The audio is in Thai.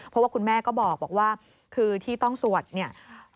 เพราะว่าคุณแม่ก็บอกว่าคือที่ต้องสวดเนี่ย